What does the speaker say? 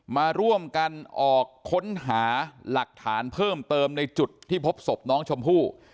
มาร่วมกันออกค้นหาหลักฐานเพิ่มเติมในจุดที่พบศพน้องชมพู่